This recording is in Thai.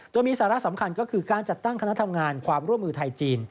โดยมีสาระสำคัญก็คือการจัดตั้งคณะทำงานความร่วมมือไทยจีน